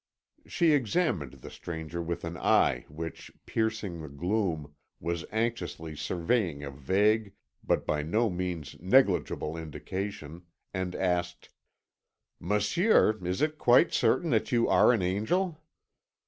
She examined the stranger with an eye which, piercing the gloom, was anxiously surveying a vague but by no means negligible indication, and asked: "Monsieur, is it quite certain that you are an angel?"